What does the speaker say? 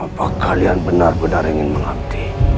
apa kalian benar benar ingin mengabdi